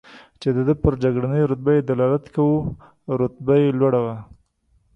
چې د ده پر جګړنۍ رتبه یې دلالت کاوه، رتبه یې لوړه وه.